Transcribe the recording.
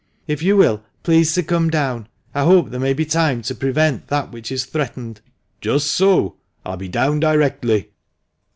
If you will please to come down, I hope there may be time to prevent that which is threatened." " Just so ; I'll be down directly."